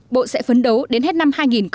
bộ sẽ phấn đấu đến hết năm hai nghìn một mươi bảy